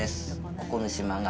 ここの島が。